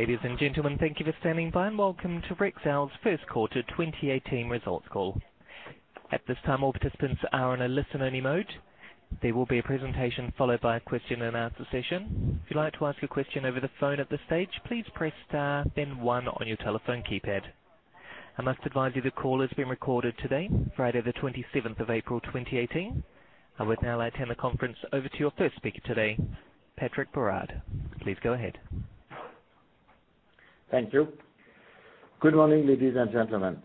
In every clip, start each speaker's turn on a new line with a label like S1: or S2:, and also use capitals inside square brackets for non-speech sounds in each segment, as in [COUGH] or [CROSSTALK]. S1: Ladies and gentlemen, thank you for standing by, and welcome to Rexel's first quarter 2018 results call. At this time, all participants are in a listen-only mode. There will be a presentation followed by a question and answer session. If you'd like to ask a question over the phone at this stage, please press star then one on your telephone keypad. I must advise you the call is being recorded today, Friday the 27th of April, 2018. I would now like to hand the conference over to your first speaker today, Patrick Berard. Please go ahead.
S2: Thank you. Good morning, ladies and gentlemen.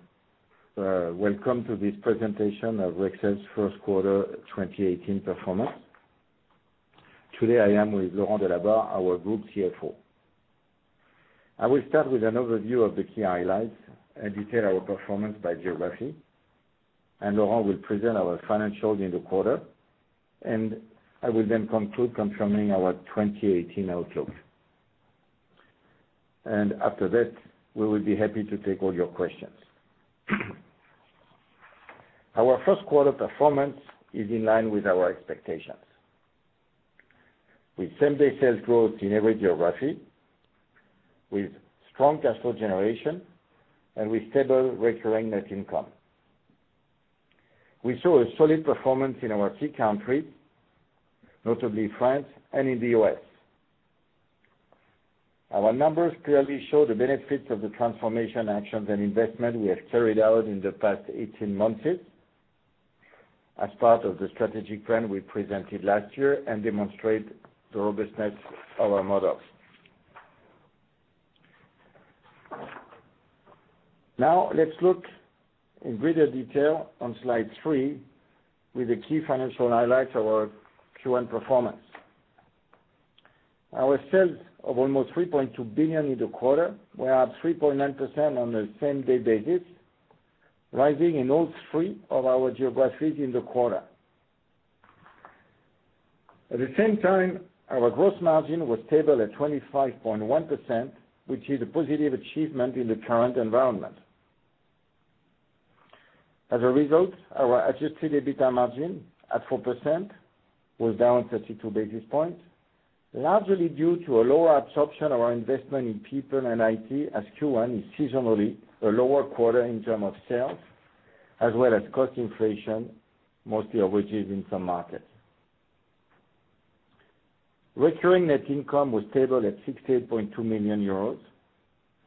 S2: Welcome to this presentation of Rexel's first quarter 2018 performance. Today I am with Laurent Delabarre, our Group CFO. I will start with an overview of the key highlights and detail our performance by geography. Laurent will present our financials in the quarter. I will then conclude confirming our 2018 outlook. After that, we will be happy to take all your questions. Our first quarter performance is in line with our expectations. With same day sales growth in every geography, with strong cash flow generation, and with stable recurring net income. We saw a solid performance in our key countries, notably France and in the U.S. Our numbers clearly show the benefits of the transformation actions and investment we have carried out in the past 18 months as part of the strategic plan we presented last year and demonstrate the robustness of our models. Now let's look in greater detail on slide three with the key financial highlights of our Q1 performance. Our sales of almost 3.2 billion in the quarter were up 3.9% on a same day basis, rising in all three of our geographies in the quarter. At the same time, our gross margin was stable at 25.1%, which is a positive achievement in the current environment. As a result, our adjusted EBITDA margin at 4% was down 32 basis points, largely due to a lower absorption of our investment in people and IT as Q1 is seasonally a lower quarter in term of sales as well as cost inflation, most of which is in some markets. Recurring net income was stable at 68.2 million euros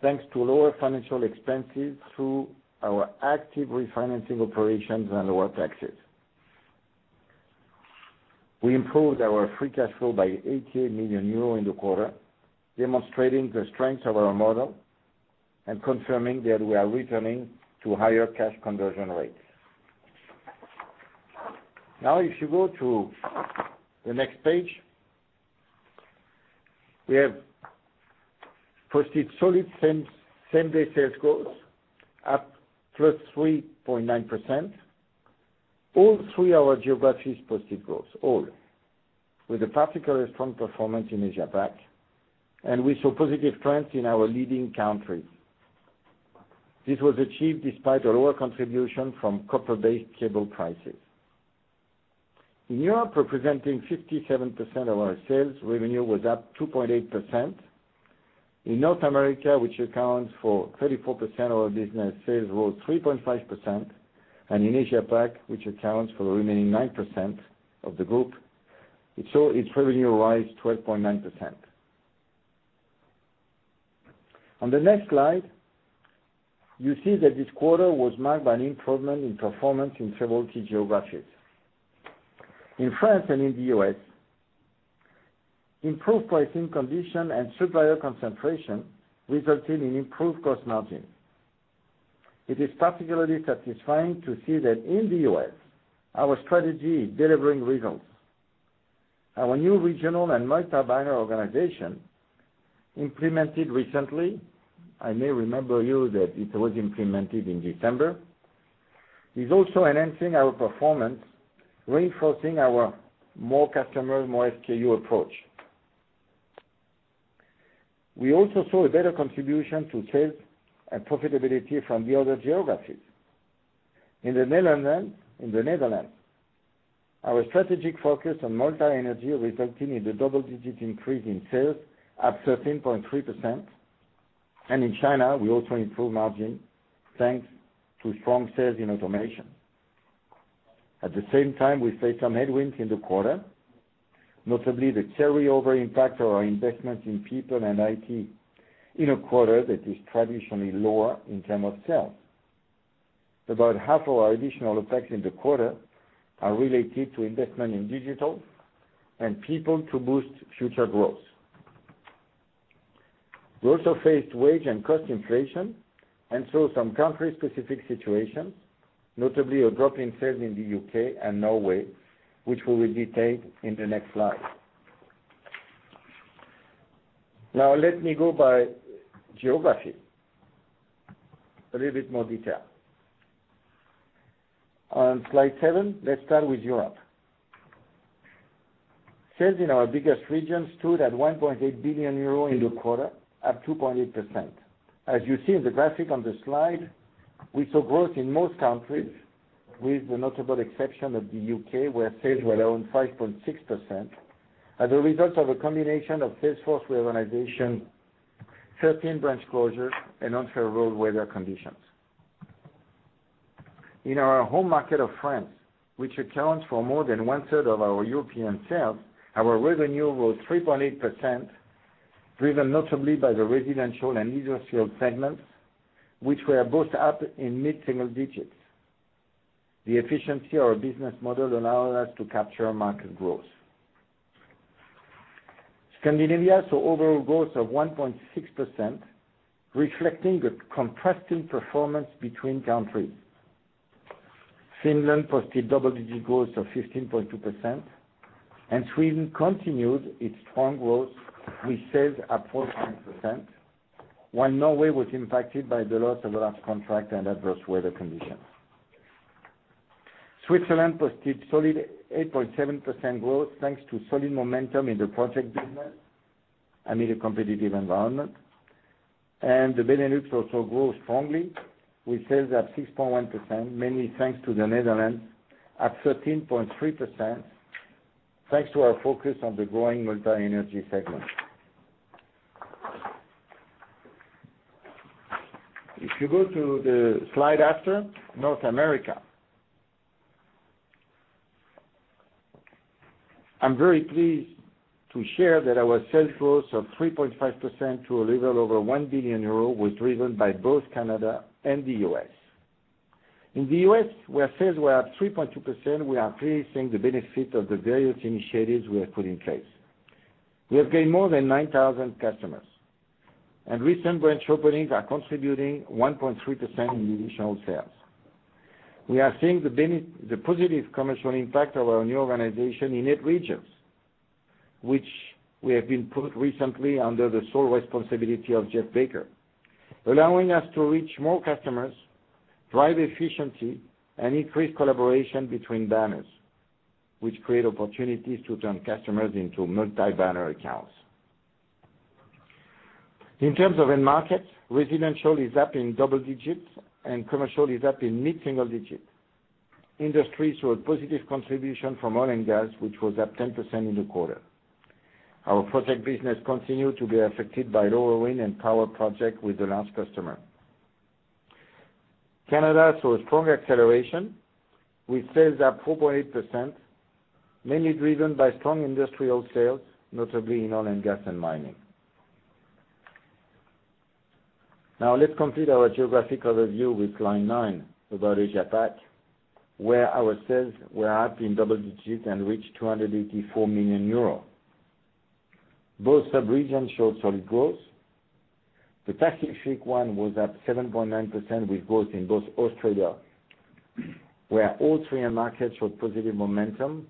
S2: thanks to lower financial expenses through our active refinancing operations and lower taxes. We improved our free cash flow by 88 million euro in the quarter, demonstrating the strength of our model and confirming that we are returning to higher cash conversion rates. If you go to the next page, we have posted solid same day sales growth up +3.9%. All three of our geographies posted growth, with a particularly strong performance in Asia Pac. We saw positive trends in our leading countries. This was achieved despite a lower contribution from copper-based cable prices. In Europe, representing 57% of our sales revenue, was up 2.8%. In North America, which accounts for 34% of our business, sales rose 3.5%, and in Asia Pac, which accounts for the remaining 9% of the group, it saw its revenue rise 12.9%. On the next slide, you see that this quarter was marked by an improvement in performance in several key geographies. In France and in the U.S., improved pricing condition and supplier concentration resulted in improved cost margin. It is particularly satisfying to see that in the U.S., our strategy is delivering results. Our new regional and multi-buyer organization implemented recently, I may remember you that it was implemented in December, is also enhancing our performance, reinforcing our more customer, more SKU approach. We also saw a better contribution to sales and profitability from the other geographies. In the Netherlands, our strategic focus on multi-energy resulting in the double-digit increase in sales up 13.3%, in China, we also improved margin thanks to strong sales in automation. At the same time, we faced some headwinds in the quarter, notably the carryover impact of our investments in people and IT in a quarter that is traditionally lower in term of sales. About half of our additional effects in the quarter are related to investment in digital and people to boost future growth. We also faced wage and cost inflation and saw some country-specific situations, notably a drop in sales in the U.K. and Norway, which we will detail in the next slide. Now let me go by geography. A little bit more detail. On slide seven, let's start with Europe. Sales in our biggest region stood at 1.8 billion euro in the quarter, up 2.8%. As you see in the graphic on the slide, we saw growth in most countries. With the notable exception of the U.K., where sales were down 5.6%, as a result of a combination of sales force reorganization, 13 branch closures, and unfavorable weather conditions. In our home market of France, which accounts for more than one-third of our European sales, our revenue was 3.8%, driven notably by the residential and industrial segments, which were both up in mid-single digits. The efficiency of our business model allowed us to capture market growth. Scandinavia saw overall growth of 1.6%, reflecting a contrasting performance between countries. Finland posted double-digit growth of 15.2%, Sweden continued its strong growth with sales up 14%, while Norway was impacted by the loss of a large contract and adverse weather conditions. Switzerland posted solid 8.7% growth thanks to solid momentum in the project business amid a competitive environment. The Benelux also grew strongly, with sales at 6.1%, mainly thanks to the Netherlands at 13.3%, thanks to our focus on the growing multi-energy segment. If you go to the slide after, North America. I am very pleased to share that our sales growth of 3.5% to a little over 1 billion euro was driven by both Canada and the U.S. In the U.S., where sales were up 3.2%, we are reaping the benefit of the various initiatives we have put in place. We have gained more than 9,000 customers, and recent branch openings are contributing 1.3% in additional sales. We are seeing the positive commercial impact of our new organization in eight regions, which we have been put recently under the sole responsibility of Jeff Baker, allowing us to reach more customers, drive efficiency, and increase collaboration between banners, which create opportunities to turn customers into multi-banner accounts. In terms of end market, residential is up in double digits, and commercial is up in mid-single digits. Industry saw a positive contribution from oil and gas, which was up 10% in the quarter. Our project business continued to be affected by lower wind and power projects with the large customer. Canada saw a strong acceleration, with sales up 4.8%, mainly driven by strong industrial sales, notably in oil and gas and mining. Let's complete our geographic overview with slide nine about Asia Pac, where our sales were up in double digits and reached 284 million euros. Both subregions showed solid growth. The Pacific one was up 7.9% with growth in both Australia, where all three end markets showed positive momentum,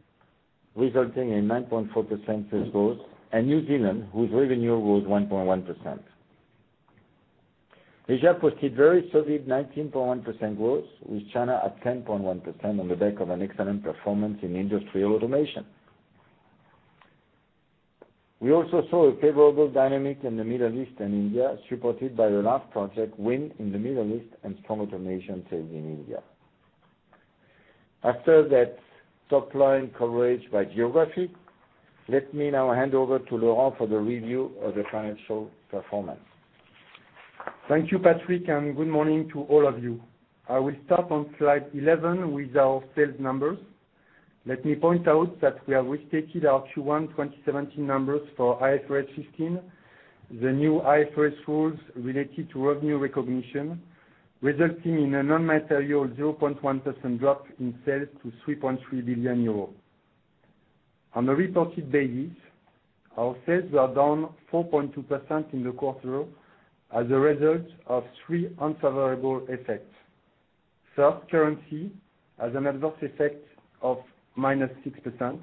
S2: resulting in 9.4% sales growth, and New Zealand, whose revenue was 1.1%. Asia posted very solid 19.1% growth, with China at 10.1% on the back of an excellent performance in industrial automation. We also saw a favorable dynamic in the Middle East and India, supported by the large project win in the Middle East and strong automation sales in India. After that top-line coverage by geography, let me now hand over to Laurent for the review of the financial performance.
S3: Thank you, Patrick, and good morning to all of you. I will start on slide 11 with our sales numbers. Let me point out that we have restated our Q1 2017 numbers for IFRS 15, the new IFRS rules related to revenue recognition, resulting in a non-material 0.1% drop in sales to 3.3 billion euros. On a reported basis, our sales were down 4.2% in the quarter as a result of three unfavorable effects. First, currency has an adverse effect of minus 6%,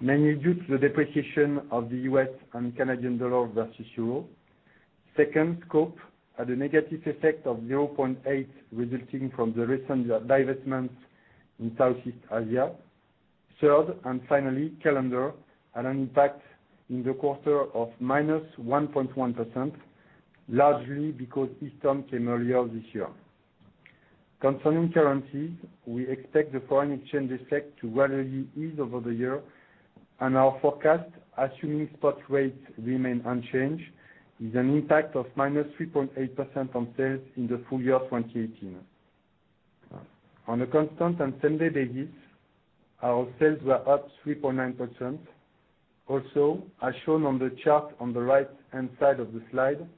S3: mainly due to the depreciation of the U.S. and Canadian dollar versus euro. Second, scope had a negative effect of 0.8%, resulting from the recent divestments in Southeast Asia. Third, and finally, calendar had an impact in the quarter of minus 1.1%, largely because Easter came earlier this year. Concerning currencies, we expect the foreign exchange effect to gradually ease over the year, and our forecast, assuming spot rates remain unchanged, is an impact of minus 3.8% on sales in the full year 2018. On a constant and same day basis, our sales were up 3.9%. Also, as shown on the chart on the right-hand side of the slide,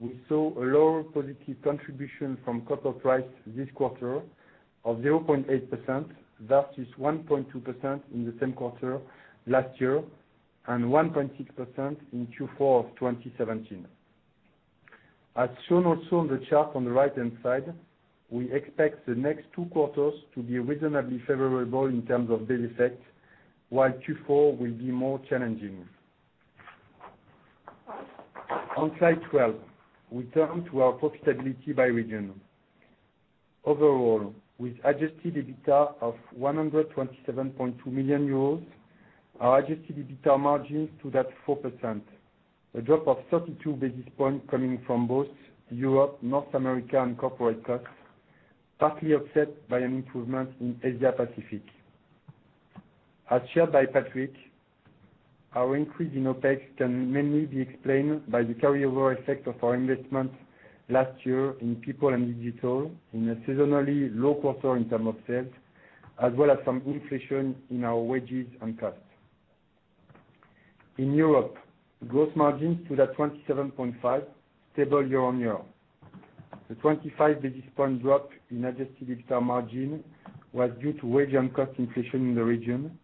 S3: we saw a lower positive contribution from copper price this quarter of 0.8%, versus 1.2% in the same quarter last year and 1.6% in Q4 of 2017. As shown also on the chart on the right-hand side, we expect the next two quarters to be reasonably favorable in terms of base effect, while Q4 will be more challenging. On slide 12, we turn to our profitability by region. Overall, with adjusted EBITDA of 127.2 million euros. Our adjusted EBITDA margin stood at 4%, a drop of 32 basis points coming from both Europe, North America, and corporate costs, partly offset by an improvement in Asia Pacific. As shared by Patrick, our increase in OpEx can mainly be explained by the carryover effect of our investment last year in people and digital in a seasonally low quarter in terms of sales, as well as some inflation in our wages and costs. In Europe, growth margins stood at 27.5%, stable year-on-year. The 25 basis point drop in adjusted EBITDA margin was due to wage and cost inflation in the region,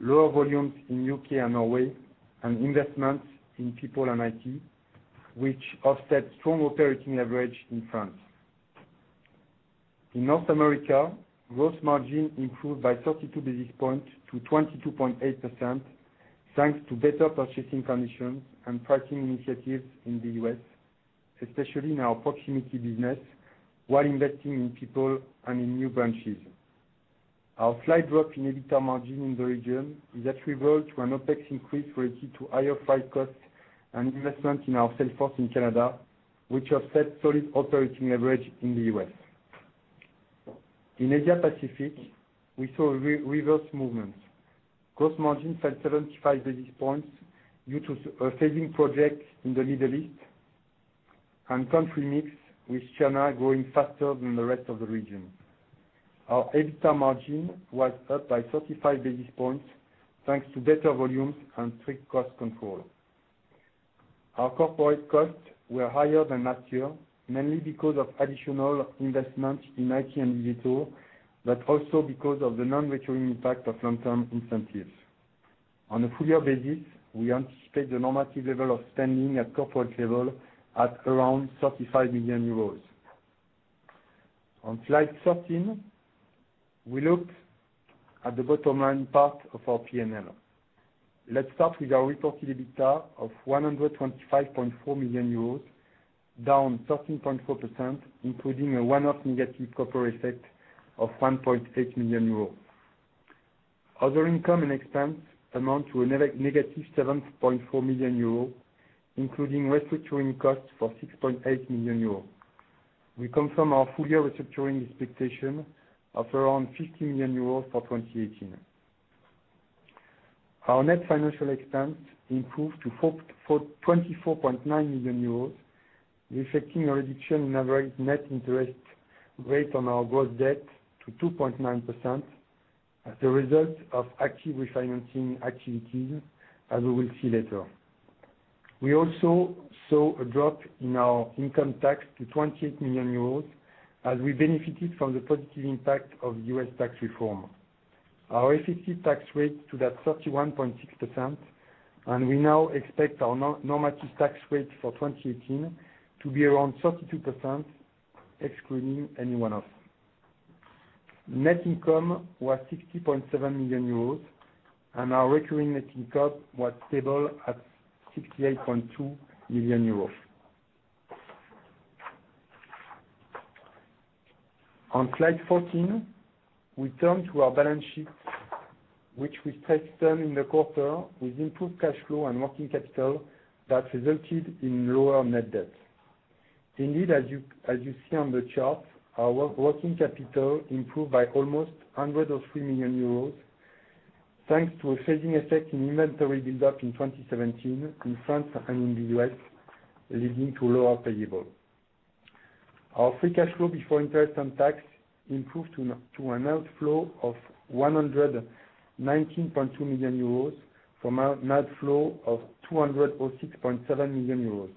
S3: lower volumes in U.K. and Norway, and investments in people and IT, which offset strong operating leverage in France. In North America, growth margin improved by 32 basis points to 22.8%, thanks to better purchasing conditions and pricing initiatives in the U.S., especially in our proximity business, while investing in people and in new branches. Our slight drop in EBITDA margin in the region is attributable to an OpEx increase related to higher freight costs and investment in our salesforce in Canada, which offset solid operating leverage in the U.S. In Asia Pacific, we saw a reverse movement. Gross margin fell 75 basis points due to a fading project in the Middle East and country mix, with China growing faster than the rest of the region. Our EBITDA margin was up by 35 basis points, thanks to better volumes and strict cost control. Our corporate costs were higher than last year, mainly because of additional investments in IT and digital, but also because of the non-recurring impact of long-term incentives. On a full-year basis, we anticipate the normative level of spending at corporate level at around 35 million euros. On slide 13, we look at the bottom line part of our P&L. Let's start with our reported EBITDA of 125.4 million euros, down 13.4%, including a one-off negative copper effect of 1.8 million euros. Other income and expense amount to a negative 7.4 million euros, including restructuring costs for 6.8 million euros. We confirm our full-year restructuring expectation of around 50 million euros for 2018. Our net financial expense improved to 24.9 million euros, reflecting a reduction in average net interest rate on our gross debt to 2.9% as a result of active refinancing activities, as we will see later. We also saw a drop in our income tax to 28 million euros as we benefited from the positive impact of U.S. tax reform. Our effective tax rate stood at 31.6%, and we now expect our normative tax rate for 2018 to be around 32%, excluding any one-off. Net income was 60.7 million euros, and our recurring net income was stable at 68.2 million euros. On slide 14, we turn to our balance sheet, which we strengthened in the quarter with improved cash flow and working capital that resulted in lower net debt. Indeed, as you see on the chart, our working capital improved by almost 103 million euros, thanks to a saving effect in inventory build-up in 2017 in France and in the U.S., leading to lower payable. Our free cash flow before interest and tax improved to an outflow of 119.2 million euros from an outflow of 206.7 million euros.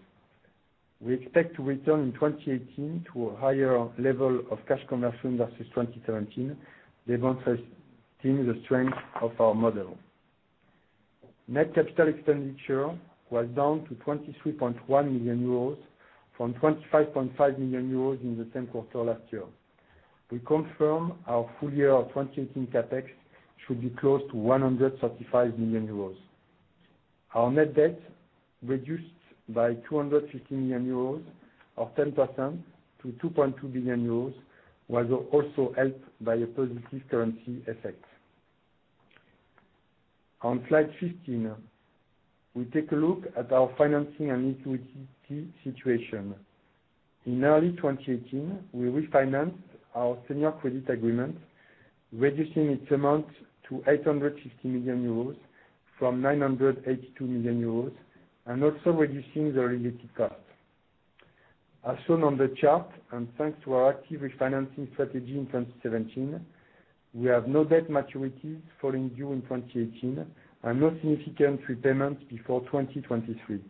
S3: We expect to return in 2018 to a higher level of cash conversion versus 2017, demonstrating the strength of our model. Net capital expenditure was down to 23.1 million euros from 25.5 million euros in the same quarter last year. We confirm our full year of 2018 CapEx should be close to 135 million euros. Our net debt reduced by 250 million euros, or 10%, to 2.2 billion euros, was also helped by a positive currency effect. On slide 15, we take a look at our financing and liquidity situation. In early 2018, we refinanced our senior credit agreement, reducing its amount to 850 million euros from 982 million euros, and also reducing the related cost. As shown on the chart, and thanks to our active refinancing strategy in 2017, we have no debt maturities falling due in 2018 and no significant repayments before 2023,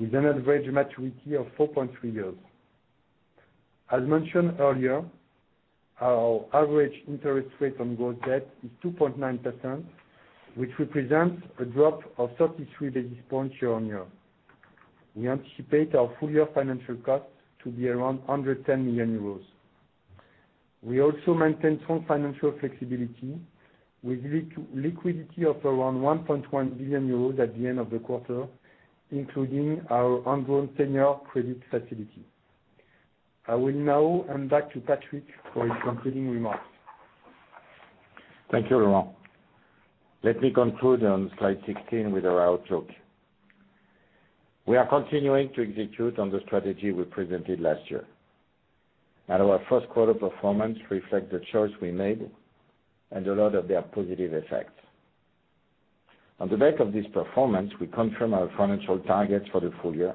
S3: with an average maturity of 4.3 years. As mentioned earlier, our average interest rate on gross debt is 2.9%, which represents a drop of 33 basis points year-on-year. We anticipate our full-year financial costs to be around 110 million euros. We also maintain strong financial flexibility with liquidity of around 1.1 billion euros at the end of the quarter, including our undrawn senior credit facility. I will now hand back to Patrick for his concluding remarks.
S2: Thank you, Laurent. Let me conclude on slide 16 with our outlook. We are continuing to execute on the strategy we presented last year, and our first quarter performance reflects the choice we made and a lot of their positive effects. On the back of this performance, we confirm our financial targets for the full year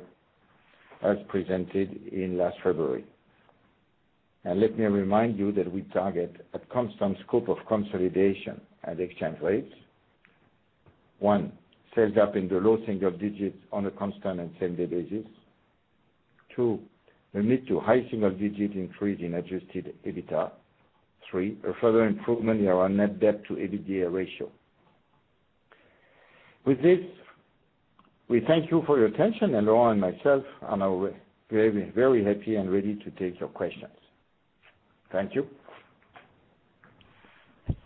S2: as presented in last February. Let me remind you that we target a constant scope of consolidation at exchange rates. One, sales up in the low single digits on a constant and same day basis. Two, a mid to high single digit increase in adjusted EBITDA. Three, a further improvement in our net debt to EBITDA ratio. With this, we thank you for your attention, Laurent and myself are now very happy and ready to take your questions. Thank you.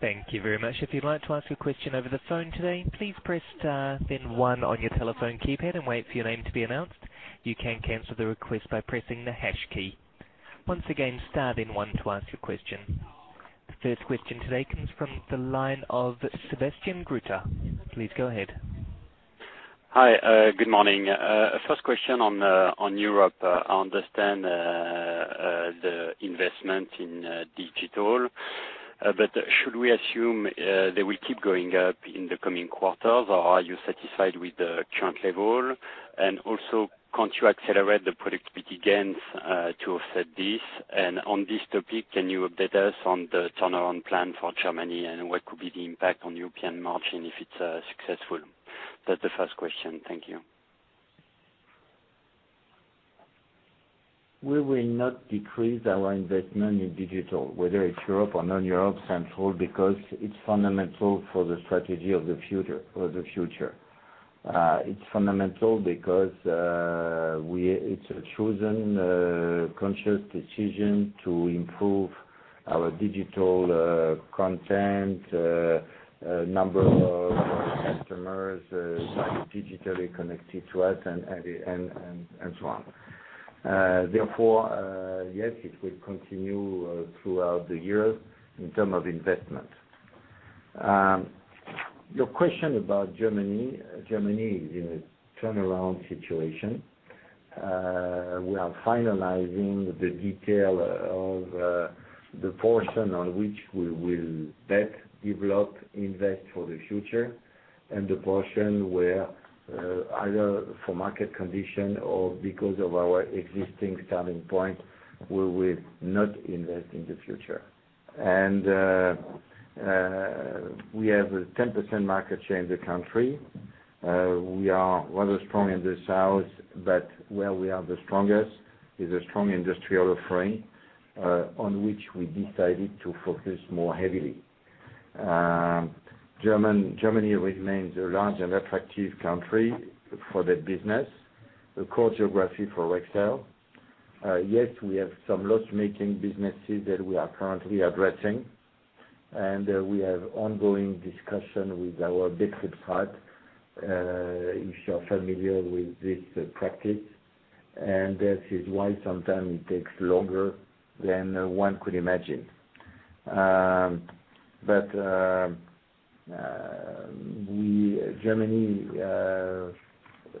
S1: Thank you very much. If you'd like to ask a question over the phone today, please press star, then one on your telephone keypad and wait for your name to be announced. You can cancel the request by pressing the hash key. Once again, star, then one to ask your question. The first question today comes from the line of Sebastian Grutter. Please go ahead.
S4: Hi. Good morning. First question on Europe. I understand the investment in digital. Should we assume they will keep going up in the coming quarters, or are you satisfied with the current level? Can't you accelerate the productivity gains to offset this? On this topic, can you update us on the turnaround plan for Germany and what could be the impact on European margin if it's successful? That's the first question. Thank you.
S2: We will not decrease our investment in digital, whether it's Europe or non-Europe, Central, because it's fundamental for the strategy of the future. It's fundamental because it's a chosen, conscious decision to improve our digital content, number of customers digitally connected to us, and so on. Therefore, yes, it will continue throughout the year in term of investment. Your question about Germany. Germany is in a turnaround situation. We are finalizing the detail of the portion on which we will bet, develop, invest for the future, and the portion where, either for market condition or because of our existing starting point, we will not invest in the future. We have a 10% market share in the country. We are rather strong in the south, but where we are the strongest is a strong industrial frame, on which we decided to focus more heavily. Germany remains a large and attractive country for the business. A core geography for Rexel. Yes, we have some loss-making businesses that we are currently addressing, and we have ongoing discussion with our [INAUDIBLE] if you're familiar with this practice, and that is why sometimes it takes longer than one could imagine. Germany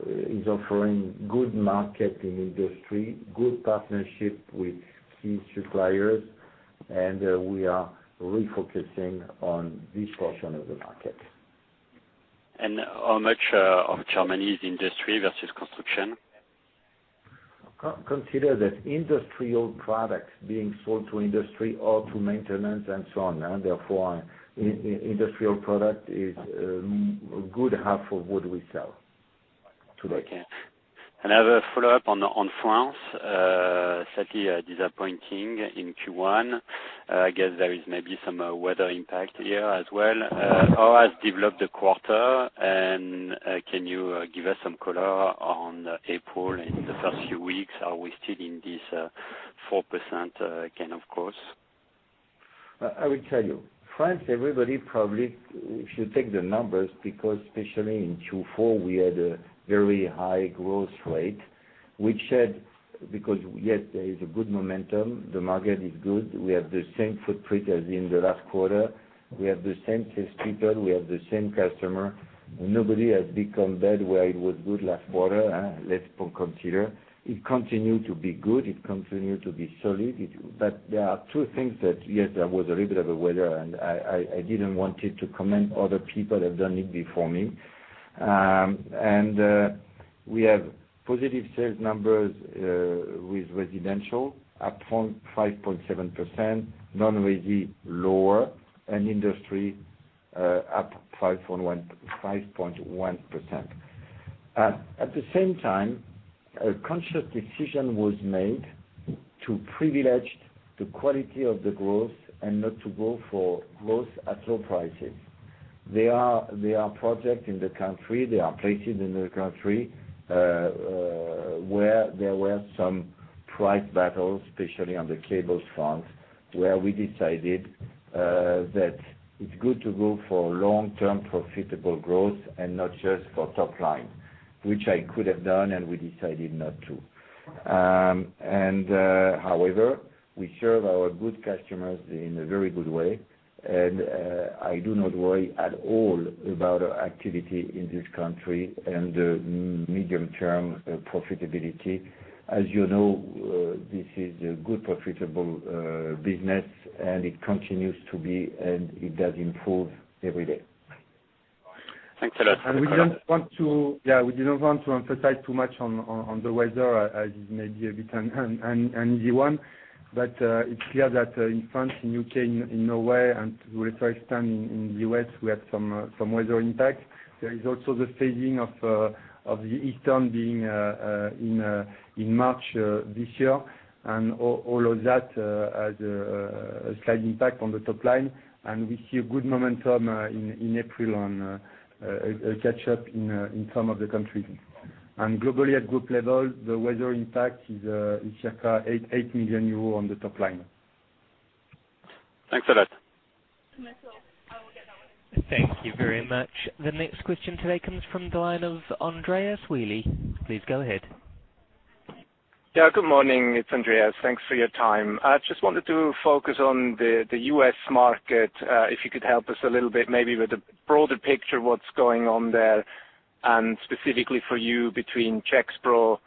S2: is offering good market in industry, good partnership with key suppliers, and we are refocusing on this portion of the market.
S4: How much of Germany is industry versus construction?
S2: Consider that industrial products being sold to industry or to maintenance and so on. Industrial product is a good half of what we sell today.
S4: Okay. Another follow-up on France. Slightly disappointing in Q1. I guess there is maybe some weather impact here as well. How has developed the quarter, and can you give us some color on April and the first few weeks? Are we still in this 4% gain, of course?
S2: I will tell you. France, everybody probably, if you take the numbers, especially in Q4, we had a very high growth rate. Yes, there is a good momentum. The market is good. We have the same footprint as in the last quarter. We have the same [test people]. We have the same customer. Nobody has become bad where it was good last quarter. Let's consider. It continued to be good. It continued to be solid. There are two things that, yes, there was a little bit of a weather, and I didn't want you to comment. Other people have done it before me. We have positive sales numbers with residential up 5.7%, non-resi lower, and industry up 5.1%. At the same time, a conscious decision was made to privilege the quality of the growth and not to go for growth at low prices. There are projects in the country, there are places in the country, where there were some price battles, especially on the cables front, where we decided that it's good to go for long-term profitable growth and not just for top line, which I could have done, and we decided not to. However, we serve our good customers in a very good way, and I do not worry at all about our activity in this country and the medium-term profitability. As you know, this is a good, profitable business, and it continues to be, and it does improve every day.
S4: Thanks a lot.
S3: We didn't want to emphasize too much on the weather, as it may be a bit an easy one. It's clear that in France, in U.K., in Norway, and to a lesser extent in the U.S., we had some weather impact. There is also the phasing of the Easter being in March this year. All of that has a slight impact on the top line. We see a good momentum in April on a catch-up in some of the countries. Globally at group level, the weather impact is circa 8 million euros on the top line.
S4: Thanks a lot.
S1: Thank you very much. The next question today comes from the line of Andreas Willi. Please go ahead.
S5: Good morning. It's Andreas. Thanks for your time. I just wanted to focus on the U.S. market. If you could help us a little bit, maybe with a broader picture of what's going on there, and specifically for you between Gexpro,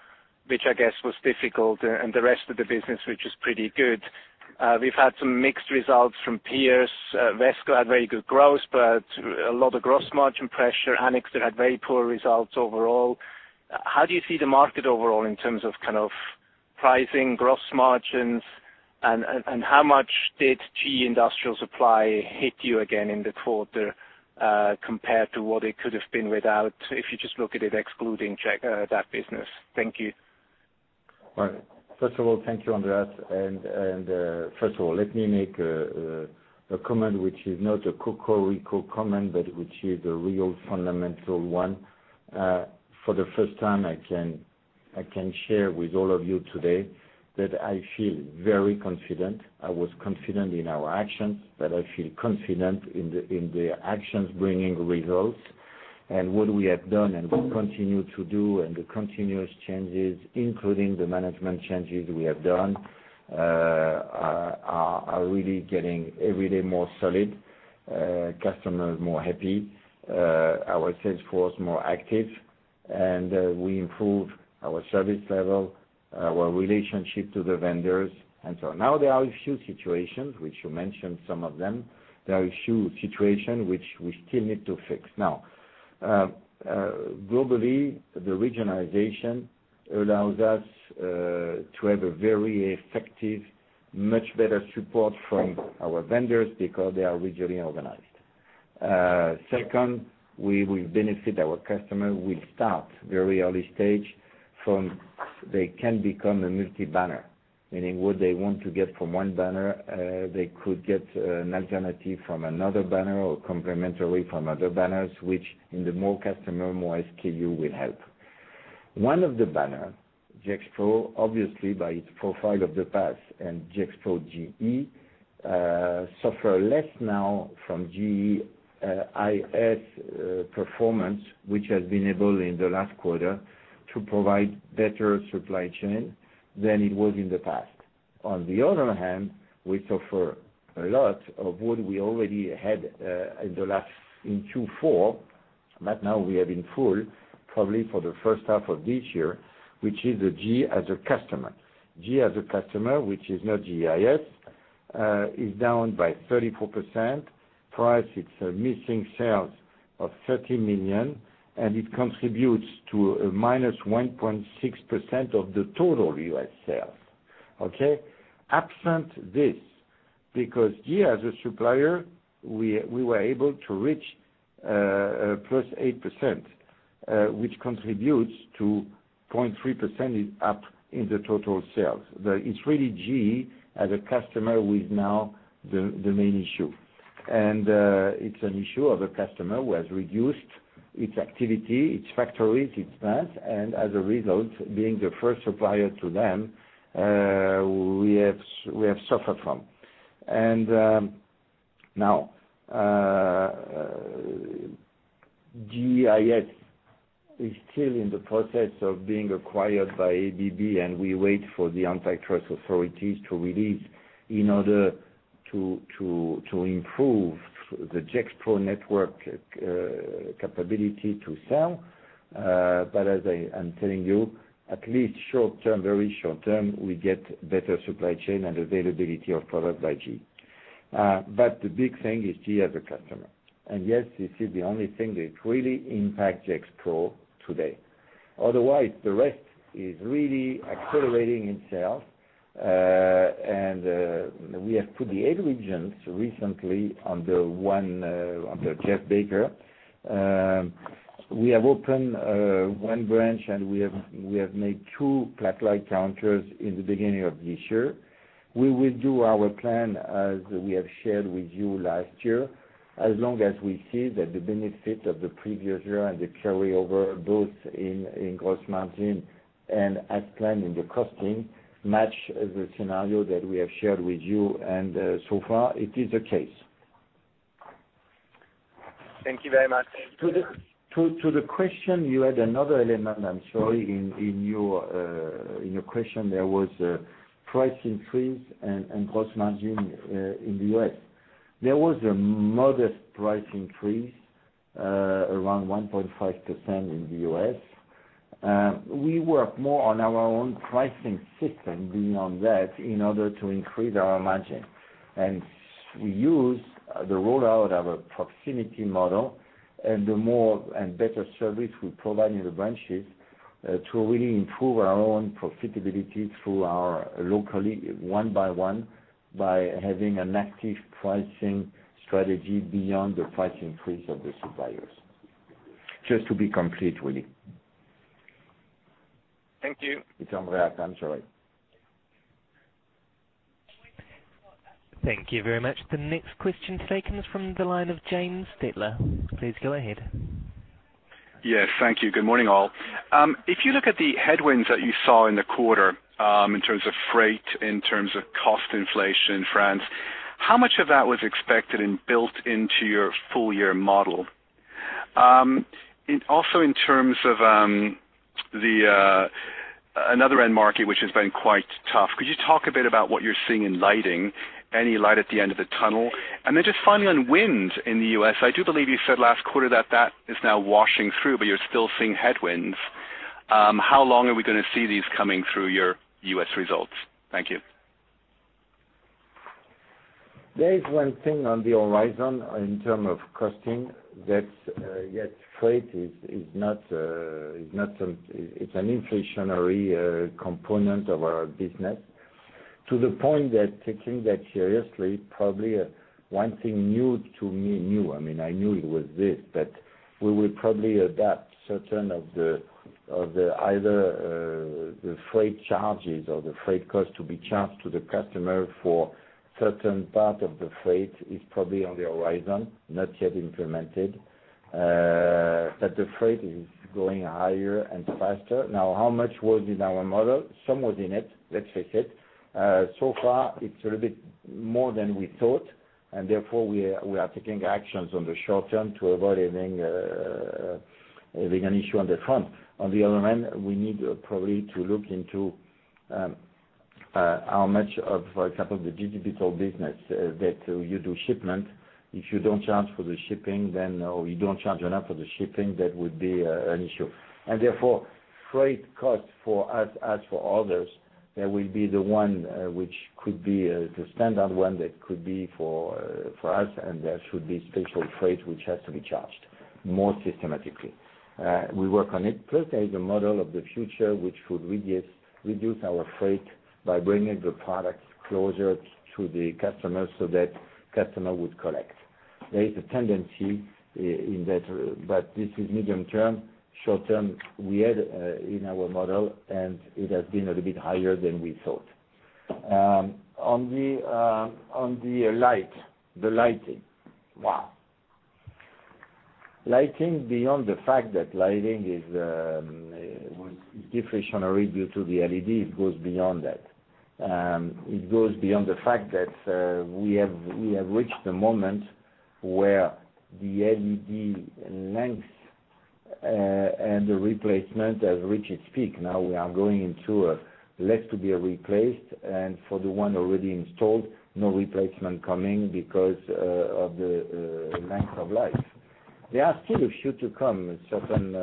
S5: which I guess was difficult, and the rest of the business, which is pretty good. We've had some mixed results from peers. Wesco had very good growth but a lot of gross margin pressure. Anixter had very poor results overall. How do you see the market overall in terms of pricing, gross margins, and how much did GE Industrial Solutions hit you again in the quarter, compared to what it could have been without, if you just look at it excluding that business? Thank you.
S2: First of all, thank you, Andreas. First of all, let me make a comment which is not a cocorico comment, but which is a real fundamental one. For the first time, I can share with all of you today that I feel very confident. I was confident in our actions, but I feel confident in the actions bringing results. What we have done and will continue to do and the continuous changes, including the management changes we have done, are really getting, every day, more solid, customers more happy, our sales force more active, and we improve our service level, our relationship to the vendors. Now there are a few situations, which you mentioned some of them. There are a few situations which we still need to fix now. Globally, the regionalization allows us to have a very effective, much better support from our vendors because they are regionally organized. Second, we will benefit our customer. We start very early stage from they can become a multi-banner, meaning what they want to get from one banner, they could get an alternative from another banner or complementary from other banners, which in the more customer, more SKU will help. One of the banner, Gexpro, obviously by its profile of the past and Gexpro GE, suffer less now from GEIS performance, which has been able in the last quarter to provide better supply chain than it was in the past. On the other hand, we suffer a lot of what we already had in Q4, but now we have in full, probably for the first half of this year, which is the GE as a customer. GE as a customer, which is not GEIS, is down by 34%, plus it's missing sales of 30 million, and it contributes to a -1.6% of the total U.S. sales. Okay. Absent this, because GE as a supplier, we were able to reach +8%, which contributes to 0.3% up in the total sales. It's really GE as a customer who is now the main issue. It's an issue of a customer who has reduced its activity, its factories, its plants, and as a result, being the first supplier to them, we have suffered from. Now, GEIS is still in the process of being acquired by ABB, and we wait for the antitrust authorities to release in order to improve the Gexpro network capability to sell. As I'm telling you, at least short term, very short term, we get better supply chain and availability of product by GE. The big thing is GE as a customer. Yes, this is the only thing that really impacts Gexpro today. Otherwise, the rest is really accelerating in sales. We have put the eight regions recently under Jeff Baker. We have opened one branch, and we have made two Platt counters in the beginning of this year. We will do our plan as we have shared with you last year, as long as we see that the benefits of the previous year and the carryover, both in gross margin and as planned in the costing, match the scenario that we have shared with you. So far, it is the case.
S5: Thank you very much.
S2: To the question, you had another element, I'm sorry. In your question, there was a price increase and gross margin in the U.S. There was a modest price increase around 1.5% in the U.S. We work more on our own pricing system beyond that in order to increase our margin. We use the rollout of a proximity model and the more and better service we provide in the branches to really improve our own profitability through our locally, one by one, by having an active pricing strategy beyond the price increase of the suppliers. Just to be complete, really.
S5: Thank you.
S2: It's Andreas, I'm sorry.
S1: Thank you very much. The next question today comes from the line of James Tytler. Please go ahead.
S6: Yes. Thank you. Good morning, all. If you look at the headwinds that you saw in the quarter in terms of freight, in terms of cost inflation in France, how much of that was expected and built into your full year model? Also, in terms of another end market, which has been quite tough, could you talk a bit about what you're seeing in lighting, any light at the end of the tunnel? Just finally on wind in the U.S., I do believe you said last quarter that that is now washing through, but you're still seeing headwinds. How long are we going to see these coming through your U.S. results? Thank you.
S2: There is one thing on the horizon in term of costing that freight is an inflationary component of our business. To the point that taking that seriously, probably one thing new to me, new, I mean, I knew it was this, but we will probably adapt certain of the either the freight charges or the freight cost to be charged to the customer for certain part of the freight is probably on the horizon, not yet implemented. The freight is going higher and faster. How much was in our model? Some was in it. Let's face it. So far, it's a little bit more than we thought, and therefore, we are taking actions on the short term to avoid having an issue on the front. On the other end, we need probably to look into how much of, for example, the digital business that you do shipment. If you don't charge for the shipping, or you don't charge enough for the shipping, that would be an issue. Therefore, freight cost for us, as for others, that will be the one which could be the standard one that could be for us, and there should be special freight which has to be charged more systematically. We work on it. Plus, there is a model of the future which should reduce our freight by bringing the products closer to the customers so that customer would collect. There is a tendency in that, This is medium term. Short term, we had in our model, and it has been a little bit higher than we thought. On the lighting. Wow. Lighting, beyond the fact that lighting is deflationary due to the LED, it goes beyond that. It goes beyond the fact that we have reached the moment where the LED length and the replacement have reached its peak. Now we are going into less to be replaced, and for the one already installed, no replacement coming because of the length of life. There are still a few to come, certain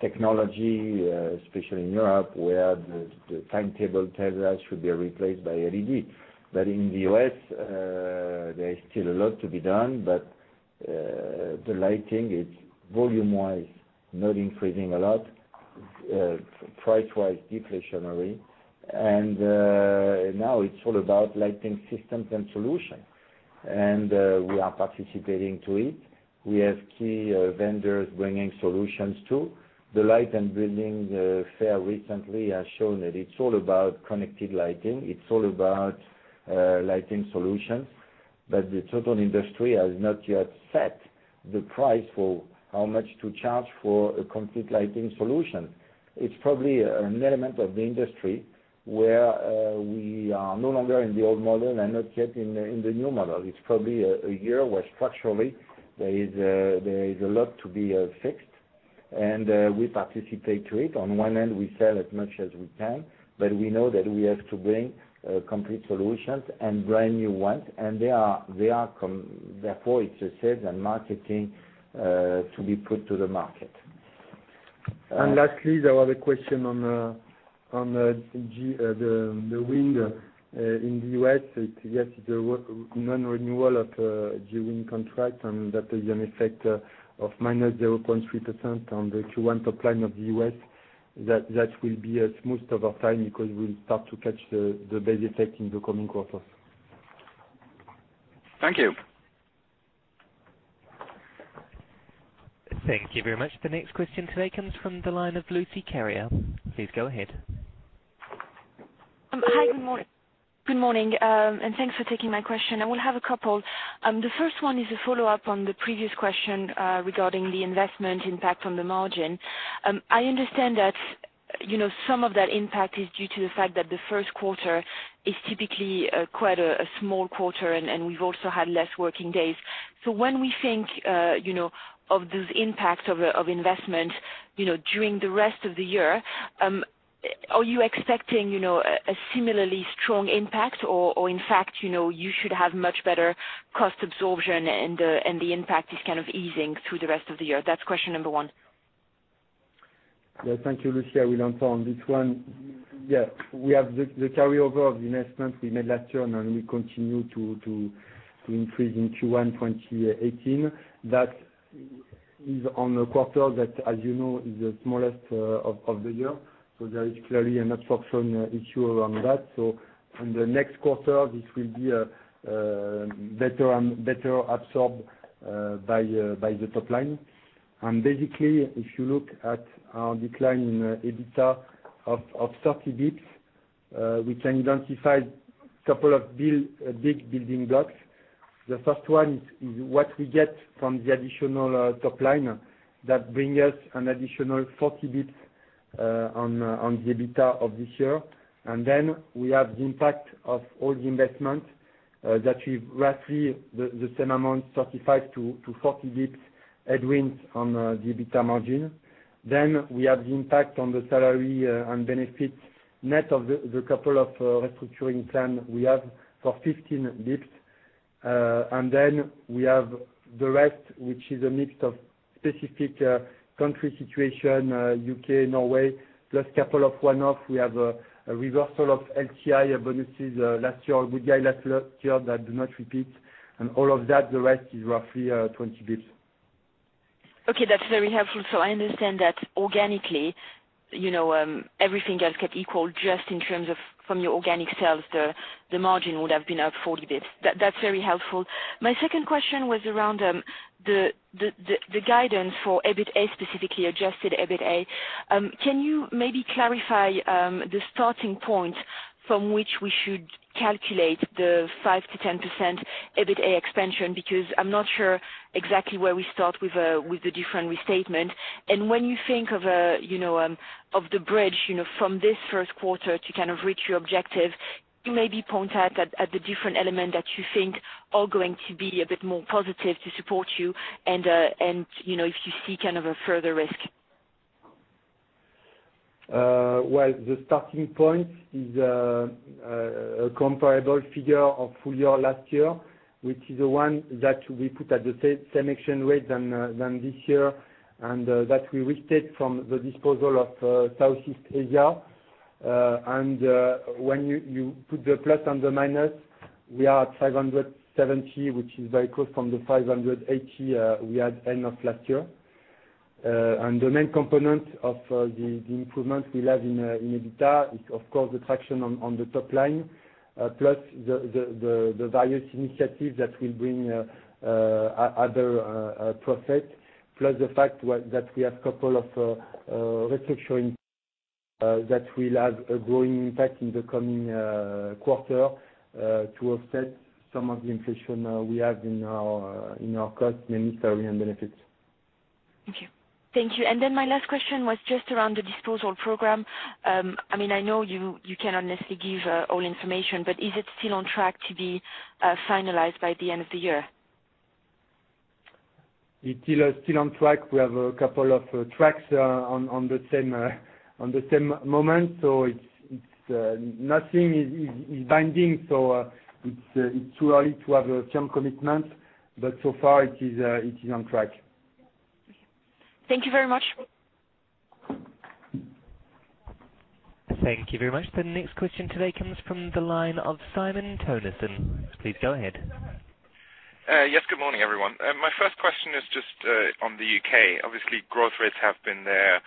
S2: technology, especially in Europe, where the timetable tells us should be replaced by LED. In the U.S., there is still a lot to be done, The lighting, it's volume-wise, not increasing a lot, price-wise, deflationary. Now it's all about lighting systems and solution. We are participating to it. We have key vendors bringing solutions, too. The Light + Building fair recently has shown that it's all about connected lighting, it's all about lighting solutions. The total industry has not yet set the price for how much to charge for a complete lighting solution. It's probably an element of the industry where we are no longer in the old model and not yet in the new model. It's probably a year where structurally there is a lot to be fixed, and we participate to it. On one end, we sell as much as we can, but we know that we have to bring complete solutions and brand new ones, Therefore, it's a sales and marketing to be put to the market.
S3: Lastly, there was a question on the wind in the U.S. Yes, the non-renewal of the wind contract, and that is an effect of -0.3% on the Q1 top line of the U.S. That will be smoothed over time because we'll start to catch the base effect in the coming quarters.
S6: Thank you.
S1: Thank you very much. The next question today comes from the line of Lucie Carriere. Please go ahead.
S7: Hi, good morning. Good morning, Thanks for taking my question. I will have a couple. The first one is a follow-up on the previous question regarding the investment impact on the margin. I understand that some of that impact is due to the fact that the first quarter is typically quite a small quarter, and we've also had less working days. When we think of those impacts of investment during the rest of the year, are you expecting a similarly strong impact or in fact, you should have much better cost absorption and the impact is kind of easing through the rest of the year? That's question number 1.
S3: Thank you, Lucie. I will answer on this one. We have the carryover of the investment we made last year, and we continue to increase in Q1 2018. That is on a quarter that, as you know, is the smallest of the year. There is clearly an absorption issue around that. In the next quarter, this will be better absorbed by the top line. Basically, if you look at our decline in EBITDA of 30 basis points, we can identify a couple of big building blocks. The first one is what we get from the additional top line that bring us an additional 40 basis points on the EBITDA of this year. Then we have the impact of all the investments that we've roughly, the same amount, 35 to 40 basis points headwinds on the EBITDA margin. The impact on the salary and benefits, net of the couple of restructuring plans we have for 15 basis points. We have the rest, which is a mix of specific country situation, U.K., Norway, plus couple of one-offs. We have a reversal of LTI bonuses last year, good guy last year that do not repeat. All of that, the rest is roughly 20 basis points.
S7: Okay, that's very helpful. I understand that organically, everything else kept equal just in terms of from your organic sales, the margin would have been up 40 basis points. That's very helpful. My second question was around the guidance for EBITA, specifically adjusted EBITA. Can you maybe clarify the starting point from which we should calculate the 5%-10% EBITA expansion? Because I'm not sure exactly where we start with the different restatement. When you think of the bridge from this first quarter to kind of reach your objective, can you maybe point out at the different elements that you think are going to be a bit more positive to support you and, if you see kind of a further risk.
S3: Well, the starting point is a comparable figure of full year last year, which is the one that we put at the same exchange rate than this year, and that we restate from the disposal of Southeast Asia. When you put the plus and the minus, we are at 570, which is very close from the 580 we had end of last year. The main component of the improvements we have in EBITA is, of course, the traction on the top line, plus the various initiatives that will bring other profit, plus the fact that we have couple of restructurings that will have a growing impact in the coming quarter, to offset some of the inflation we have in our cost, mainly salary and benefits.
S7: Thank you. Thank you. My last question was just around the disposal program. I know you cannot necessarily give all information, but is it still on track to be finalized by the end of the year?
S3: It's still on track. We have a couple of tracks on the same moment, so nothing is binding, so it's too early to have a firm commitment, but so far it is on track.
S7: Thank you. Thank you very much.
S1: Thank you very much. The next question today comes from the line of Simon Torrance. Please go ahead.
S8: Yes, good morning, everyone. My first question is just on the U.K. Obviously, growth rates have been there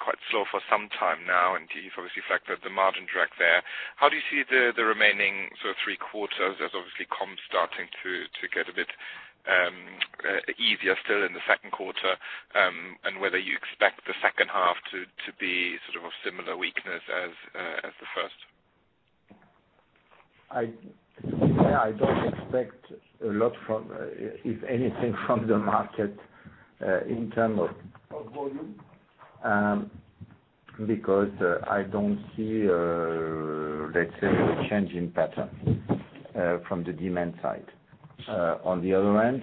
S8: quite slow for some time now, and you've obviously factored the margin drag there. How do you see the remaining three quarters as obviously comps starting to get a bit easier still in the second quarter, and whether you expect the second half to be sort of a similar weakness as the first?
S3: I don't expect a lot from, if anything, from the market in term of volume, because I don't see a, let's say, a change in pattern from the demand side. On the other hand,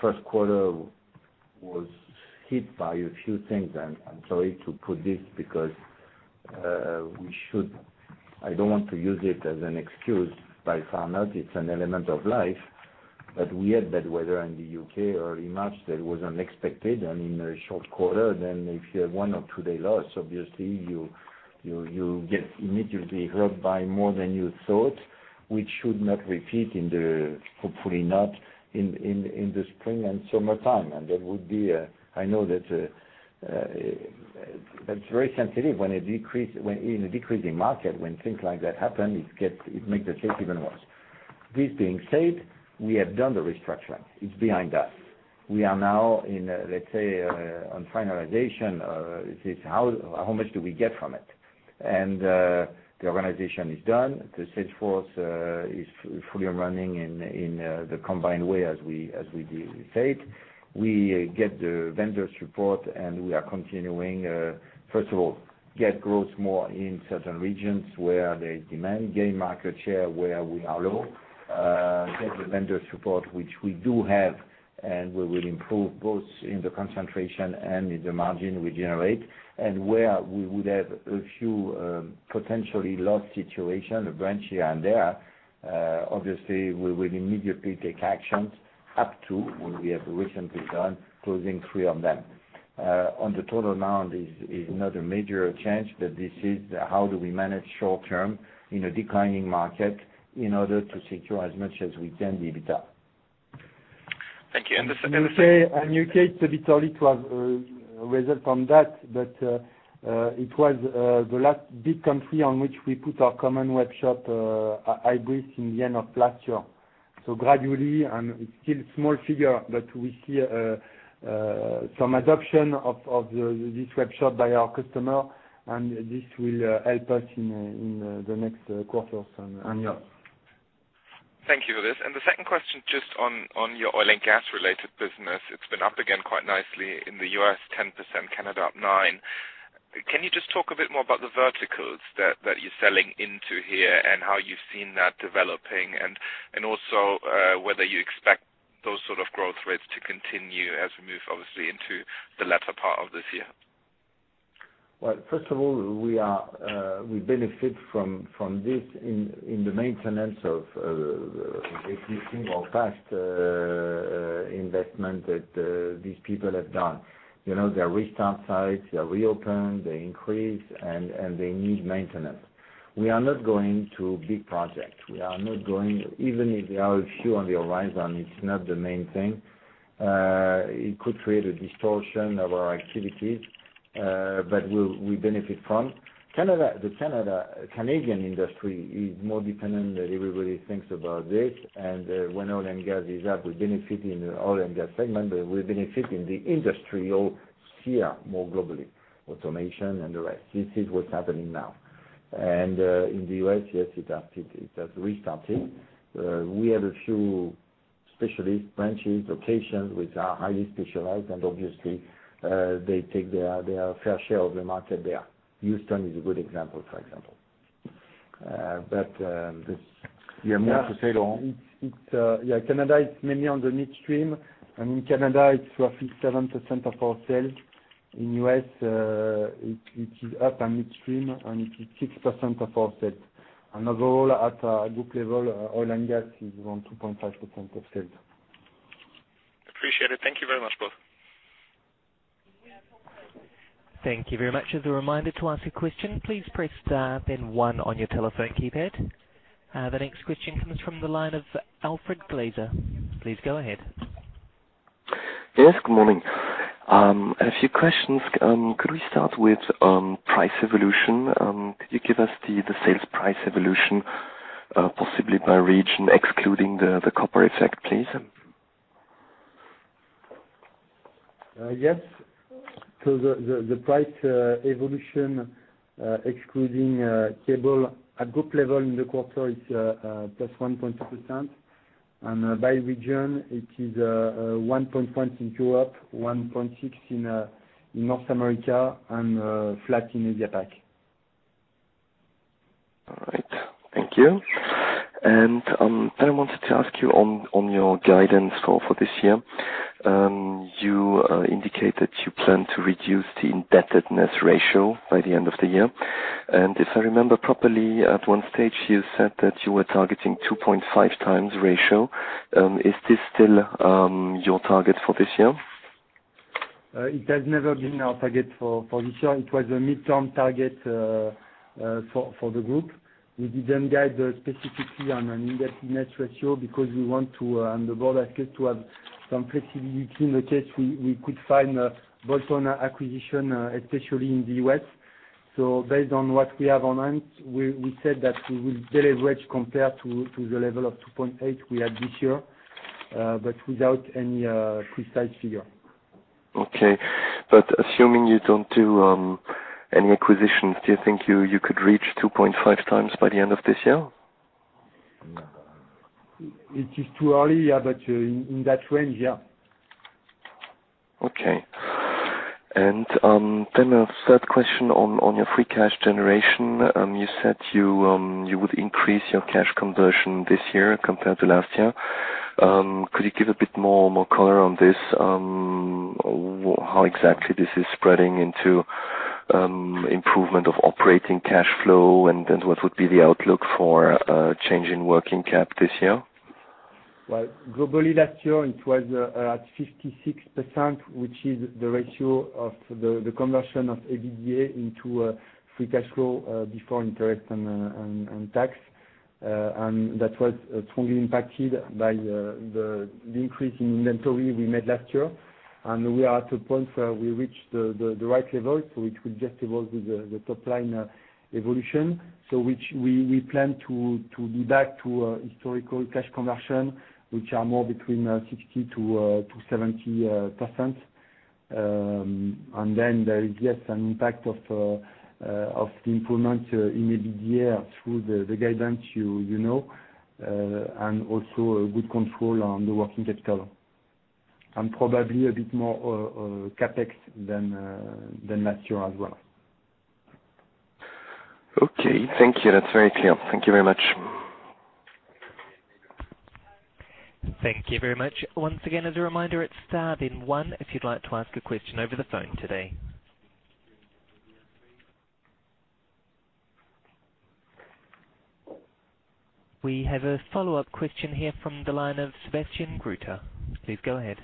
S3: first quarter was hit by a few things. I'm sorry to put this because I don't want to use it as an excuse by far. No, it's an element of life. We had bad weather in the U.K. early March that was unexpected. In a short quarter, if you have one or two day loss, obviously you
S2: You get immediately hurt by more than you thought, which should not repeat, hopefully not, in the spring and summer time. I know that's very sensitive in a decreasing market, when things like that happen, it makes the case even worse. This being said, we have done the restructuring. It's behind us. We are now in, let's say, on finalization. It is how much do we get from it? The organization is done. The sales force is fully running in the combined way as we said. We get the vendors' report. We are continuing, first of all, get growth more in certain regions where there is demand, gain market share where we are low, get the vendor support, which we do have, and we will improve both in the concentration and in the margin we generate. Where we would have a few potentially lost situation, a branch here and there, obviously, we will immediately take actions up to what we have recently done, closing three of them. On the total amount is not a major change. This is how do we manage short term in a declining market in order to secure as much as we can the EBITDA.
S8: Thank you. The second-
S3: I would say on U.K., it's a bit early to have result on that, but it was the last big country on which we put our common webshop, Ibis, in the end of last year. Gradually, and it's still small figure, but we see some adoption of this webshop by our customer, and this will help us in the next quarters. Yes.
S8: Thank you for this. The second question, just on your oil and gas-related business. It's been up again quite nicely in the U.S., 10%, Canada up nine. Can you just talk a bit more about the verticals that you're selling into here and how you've seen that developing? Also, whether you expect those sort of growth rates to continue as we move, obviously, into the latter part of this year?
S2: First of all, we benefit from this in the maintenance of existing or past investment that these people have done. They restart sites, they reopen, they increase. They need maintenance. We are not going to big project. Even if there are a few on the horizon, it's not the main thing. It could create a distortion of our activities, but we benefit from. The Canadian industry is more dependent than everybody thinks about this. When oil and gas is up, we benefit in the oil and gas segment, but we benefit in the industry also more globally, automation and the rest. This is what's happening now. In the U.S., yes, it has restarted. We have a few specialist branches, locations, which are highly specialized, and obviously, they take their fair share of the market there. Houston is a good example. But this. You have more to say Laurent?
S3: Canada is mainly on the midstream, in Canada, it's roughly 7% of our sales. In U.S., it is upstream and midstream, it is 6% of our sales. Overall, at a group level, oil and gas is around 2.5% of sales.
S8: Appreciate it. Thank you very much, both.
S1: Thank you very much. As a reminder, to ask a question, please press star then one on your telephone keypad. The next question comes from the line of Alfred Glaser. Please go ahead.
S9: Yes, good morning. A few questions. Could we start with price evolution? Could you give us the sales price evolution, possibly by region, excluding the copper effect, please?
S3: Yes. The price evolution, excluding cable at group level in the quarter is +1.2%. By region, it is 1.5% in Europe, 1.6% in North America, and flat in Asia Pac.
S9: All right. Thank you. I wanted to ask you on your guidance call for this year. You indicated that you plan to reduce the indebtedness ratio by the end of the year. If I remember properly, at one stage, you said that you were targeting 2.5 times ratio. Is this still your target for this year?
S3: It has never been our target for this year. It was a midterm target for the group. We didn't guide specifically on an indebtedness ratio because we want to, on the board, ask you to have some flexibility in the case we could find a bolt-on acquisition, especially in the U.S. Based on what we have on hand, we said that we will deleverage compared to the level of 2.8 we had this year, but without any precise figure.
S9: Okay. Assuming you don't do any acquisitions, do you think you could reach 2.5 times by the end of this year?
S3: It is too early, but in that range, yeah.
S9: Okay. Then a third question on your free cash generation. You said you would increase your cash conversion this year compared to last year. Could you give a bit more color on this, how exactly this is spreading into improvement of operating cash flow, and what would be the outlook for change in working cap this year?
S3: Well, globally last year, it was at 56%, which is the ratio of the conversion of EBITDA into free cash flow before interest and tax. That was strongly impacted by the increase in inventory we made last year. We are at a point where we reached the right level, so it will just evolve with the top-line evolution. Which we plan to be back to historical cash conversion, which are more between 60%-70%. Then there is, yes, an impact of the improvement in EBITDA through the guidance you know, and also a good control on the working capital. Probably a bit more CapEx than last year as well.
S9: Okay. Thank you. That's very clear. Thank you very much.
S1: Thank you very much. Once again, as a reminder, it's star then one if you would like to ask a question over the phone today. We have a follow-up question here from the line of Sebastian Grutter. Please go ahead.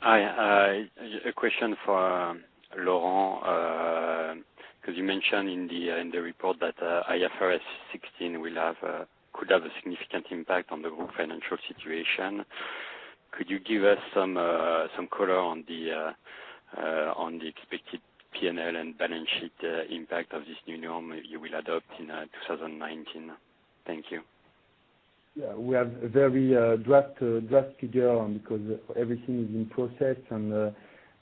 S4: Hi. A question for Laurent, because you mentioned in the report that IFRS 16 could have a significant impact on the group financial situation. Could you give us some color on the expected P&L and balance sheet impact of this new norm you will adopt in 2019? Thank you.
S3: Yeah, we have a very draft figure because everything is in process, and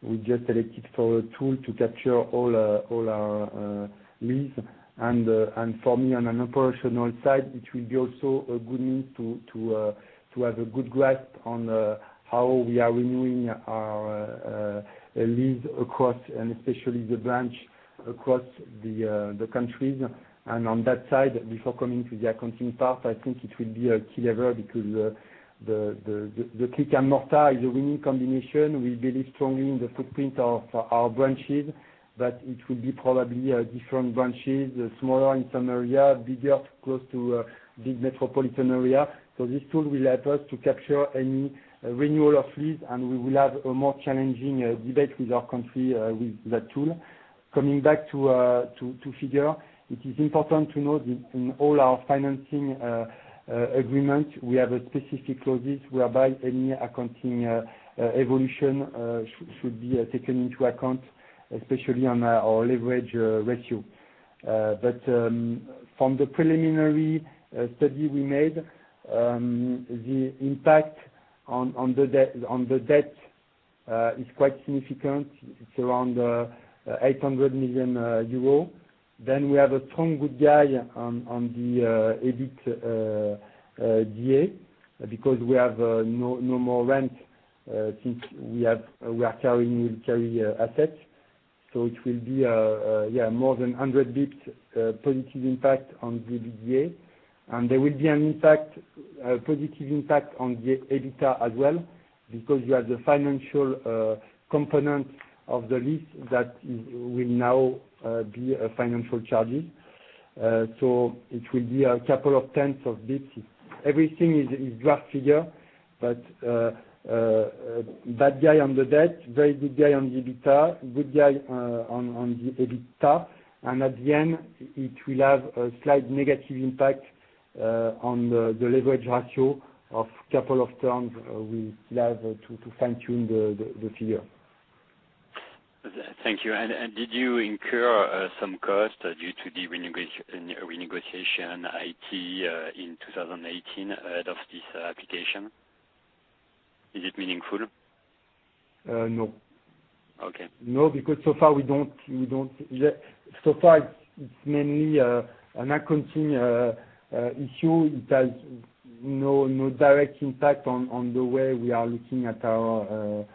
S3: we just elected for a tool to capture all our leases. And for me, on an operational side, it will be also a good means to have a good grasp on how we are renewing our leases across, and especially the branch, across the countries. On that side, before coming to the accounting part, I think it will be a key level because the click and mortar is a winning combination. We believe strongly in the footprint of our branches, but it will be probably different branches, smaller in some areas, bigger close to a big metropolitan area. So this tool will help us to capture any renewal of lease, and we will have a more challenging debate with our country with that tool. Coming back to figure, it is important to note in all our financing agreements, we have specific clauses whereby any accounting evolution should be taken into account, especially on our leverage ratio. From the preliminary study we made, the impact on the debt is quite significant. It is around 800 million euro. Then we have a strong good guy on the EBITDA because we have no more rent, since we are carrying utility assets. So it will be, yeah, more than 100 basis points positive impact on the EBITDA. There will be a positive impact on the EBITA as well, because you have the financial component of the lease that will now be a financial charging. So it will be a couple of tenths of basis points. Everything is draft figure, bad guy on the debt, very good guy on the EBITA, good guy on the EBITDA, and at the end, it will have a slight negative impact on the leverage ratio of couple of terms. We still have to fine-tune the figure.
S4: Thank you. Did you incur some cost due to the renegotiation IT in 2018 ahead of this application? Is it meaningful?
S3: No.
S4: Okay.
S3: No, because so far it's mainly an accounting issue. It has no direct impact on the way we are looking at our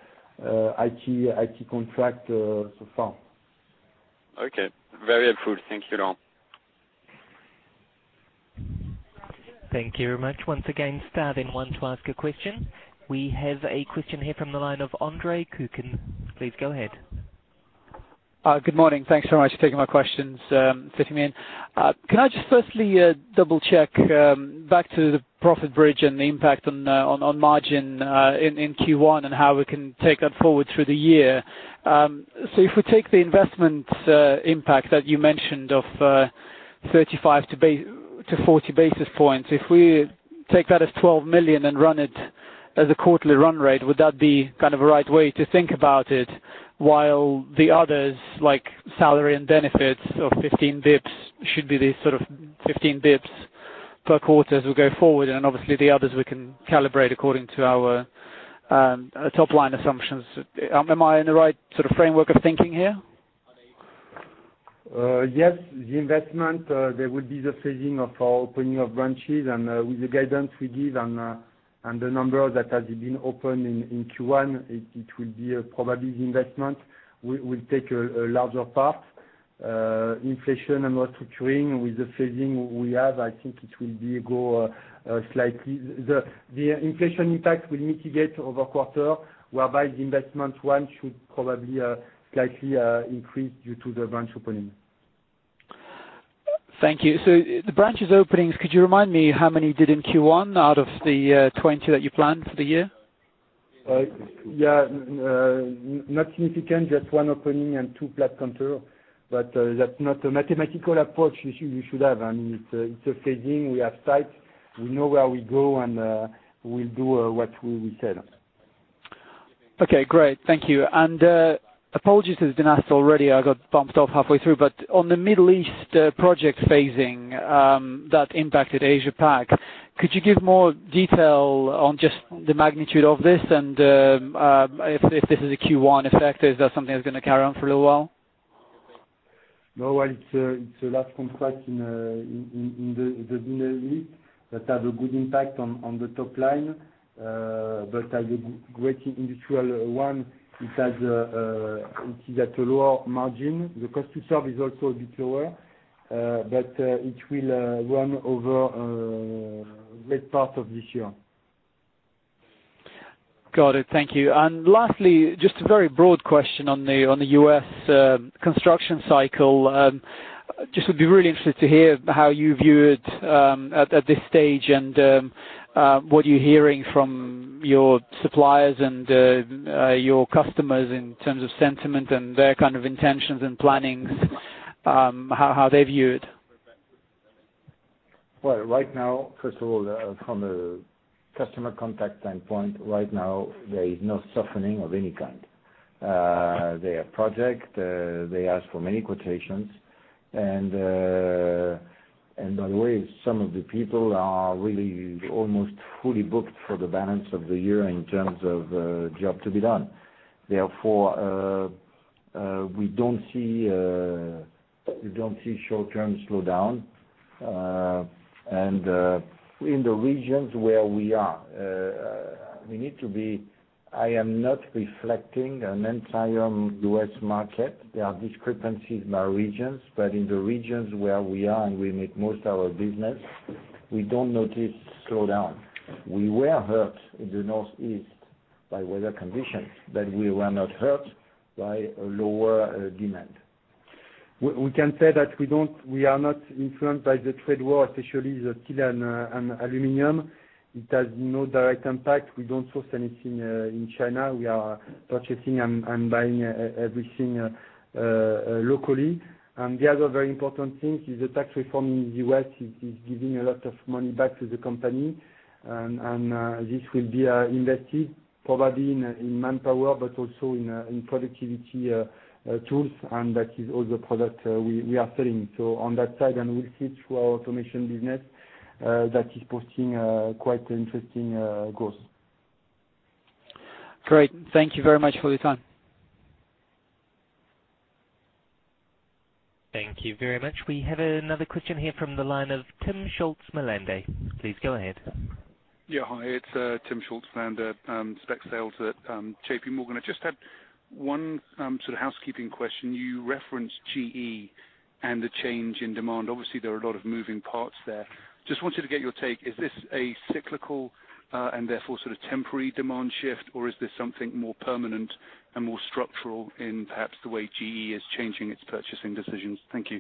S3: IT contract so far.
S4: Okay. Very helpful. Thank you, Laurent.
S1: Thank you very much. Once again, star one to ask a question. We have a question here from the line of Andre Kukhnin. Please go ahead.
S10: Good morning. Thanks very much for taking my questions, fitting me in. Can I just firstly double-check, back to the profit bridge and the impact on margin in Q1 and how we can take that forward through the year. If we take the investment impact that you mentioned of 35-40 basis points, if we take that as 12 million and run it as a quarterly run rate, would that be kind of a right way to think about it, while the others, like salary and benefits of 15 basis points, should be the sort of 15 basis points per quarter as we go forward? Obviously the others we can calibrate according to our top-line assumptions. Am I in the right sort of framework of thinking here?
S3: Yes. The investment, there will be the phasing of our opening of branches, with the guidance we give and the number that has been opened in Q1, it will be probably the investment will take a larger part. Inflation and restructuring, with the phasing we have, I think it will go. The inflation impact will mitigate over quarter, whereby the investment one should probably slightly increase due to the branch opening.
S10: Thank you. The branches openings, could you remind me how many you did in Q1 out of the 20 that you planned for the year?
S3: Yeah. Not significant. Just one opening and two Platt counter. That's not a mathematical approach you should have. I mean, it's a phasing. We have sites. We know where we go, and we'll do what we said.
S10: Okay, great. Thank you. Apologies if it's been asked already, I got bumped off halfway through, but on the Middle East project phasing that impacted Asia Pac, could you give more detail on just the magnitude of this and if this is a Q1 effect? Is that something that's going to carry on for a little while?
S3: No. It's a large contract in the Middle East that has a good impact on the top line, as a great industrial one, it is at a lower margin. The cost to serve is also a bit lower, it will run over late part of this year.
S10: Got it. Thank you. Lastly, just a very broad question on the U.S. construction cycle. Just would be really interested to hear how you view it at this stage and what you're hearing from your suppliers and your customers in terms of sentiment and their kind of intentions and plannings, how they view it.
S2: Well, right now, first of all, from a customer contact standpoint, right now, there is no softening of any kind. They have project, they ask for many quotations. By the way, some of the people are really almost fully booked for the balance of the year in terms of job to be done. Therefore, we don't see a short-term slowdown. In the regions where we are, I am not reflecting an entire U.S. market. There are discrepancies by regions, in the regions where we are, and we make most our business, we don't notice slowdown. We were hurt in the Northeast by weather conditions, we were not hurt by a lower demand. We can say that we are not influenced by the trade war, especially the steel and aluminum. It has no direct impact. We don't source anything in China.
S3: We are purchasing and buying everything locally. The other very important thing is the tax reform in the U.S. is giving a lot of money back to the company. This will be invested probably in manpower, also in productivity tools, that is all the product we are selling. On that side, we'll see through our automation business, that is posting quite interesting growth.
S10: Great. Thank you very much for your time.
S1: Thank you very much. We have another question here from the line of Andreas Pulver. Please go ahead.
S11: Yeah. Hi, it's Andreas Pulver, Specialist Sales at JPMorgan. I just had one sort of housekeeping question. You referenced GE and the change in demand. Obviously, there are a lot of moving parts there. Just wanted to get your take. Is this a cyclical, and therefore, sort of temporary demand shift, or is this something more permanent and more structural in perhaps the way GE is changing its purchasing decisions? Thank you.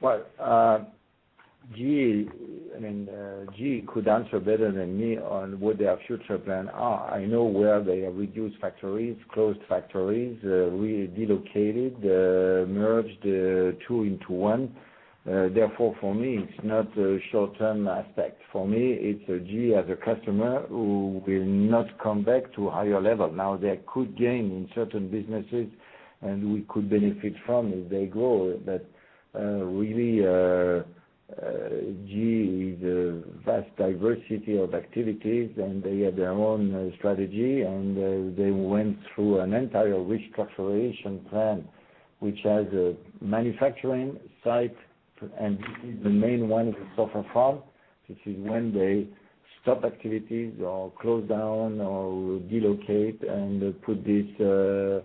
S3: Well, GE could answer better than me on what their future plan are. I know where they have reduced factories, closed factories, really delocated, merged two into one. For me, it's not a short-term aspect. For me, it's GE as a customer who will not come back to a higher level. They could gain in certain businesses, and we could benefit from if they grow. Really, GE is a vast diversity of activities, and they have their own strategy, and they went through an entire restructuration plan, which has a manufacturing site, and the main one is a software firm. This is when they stop activities or close down or delocate and put this, or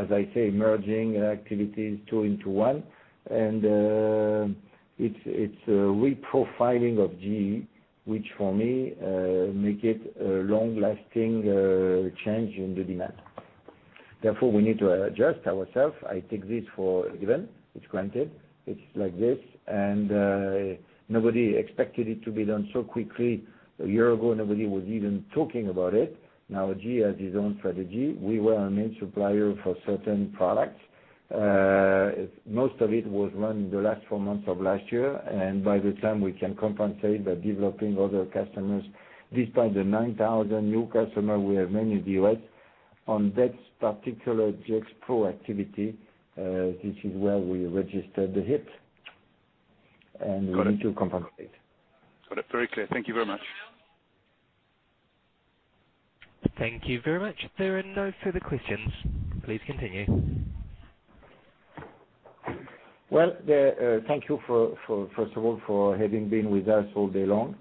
S3: as I say, merging activities two into one. It's a reprofiling of GE, which for me, make it a long-lasting change in the demand. We need to adjust ourself. I take this for granted, it's like this. Nobody expected it to be done so quickly. A year ago, nobody was even talking about it. GE has its own strategy. We were a main supplier for certain products. Most of it was run in the last four months of last year. By the time we can compensate by developing other customers, despite the 9,000 new customer, we have many deals on that particular GE Gexpro activity, this is where we registered the hit.
S11: Got it.
S3: We need to compensate.
S11: Got it. Very clear. Thank you very much.
S1: Thank you very much. There are no further questions. Please continue.
S3: Well, thank you, first of all, for having been with us all day long.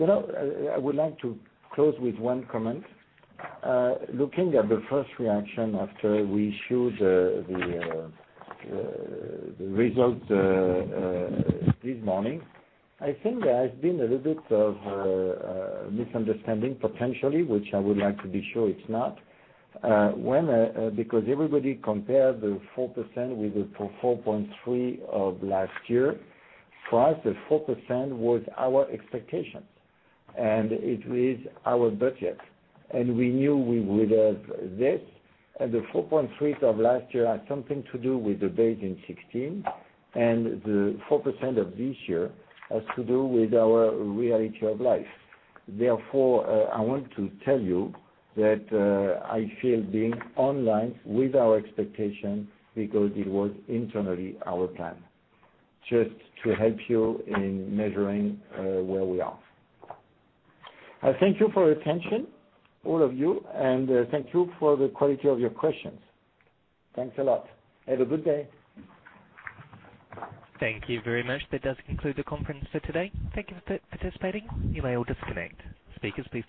S3: I would like to close with one comment. Looking at the first reaction after we issued the results this morning, I think there has been a little bit of a misunderstanding, potentially, which I would like to be sure it's not. Everybody compared the 4% with the 4.3 of last year. For us, the 4% was our expectation, and it is our budget. We knew we would have this. The 4.3 of last year had something to do with the base in 2016, and the 4% of this year has to do with our reality of life. I want to tell you that I feel being online with our expectation because it was internally our plan. Just to help you in measuring where we are. I thank you for your attention, all of you, and thank you for the quality of your questions. Thanks a lot. Have a good day.
S1: Thank you very much. That does conclude the conference for today. Thank you for participating. You may all disconnect. Speakers, please stay on the line.